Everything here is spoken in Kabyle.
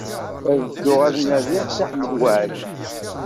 Ad dduɣ ad d-nadiɣ Si Ḥmed Waɛli.